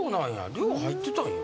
寮入ってたんや。